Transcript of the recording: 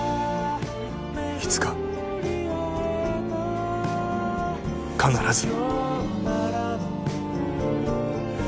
いつか必ず。